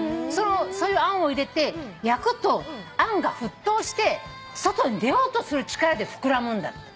そういうあんを入れて焼くとあんが沸騰して外に出ようとする力で膨らむんだって。